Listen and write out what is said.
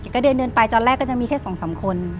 ก็เดินไปจอดแรกก็จะมีแค่สองสามคน